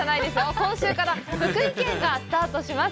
今週から福井県がスタートします。